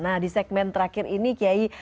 nah di segmen terakhir ini kiai